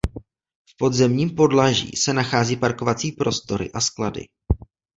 V podzemním podlaží se nacházejí parkovací prostory a sklady.